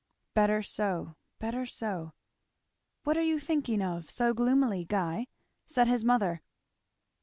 "Better so; better so." "What are you thinking of so gloomily, Guy?" said his Mother.